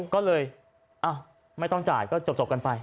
ก็เลยไม่ต้องจ่ายก็จบกันไป